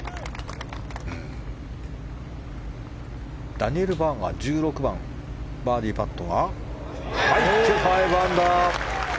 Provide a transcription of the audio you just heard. ダニエル・バーガーは１６番、バーディーパットが入って５アンダー。